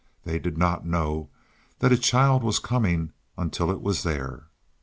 They did not know that a child was coming until it was there.